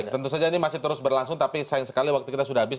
tentu saja ini masih terus berlangsung tapi sayang sekali waktu kita sudah habis